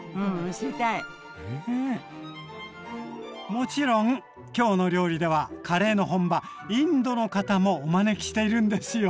もちろん「きょうの料理」ではカレーの本場インドの方もお招きしているんですよ。